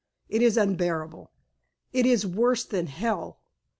It is unbearable! It is worse than hell!